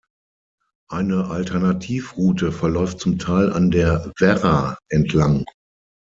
Eine Alternativroute verläuft zum Teil an der Werra entlang.